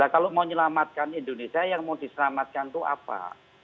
kalau mau menyelamatkan indonesia yang mau diselamatkan itu apa